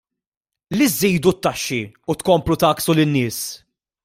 Li żżidu t-taxxi u tkomplu tgħakksu lin-nies!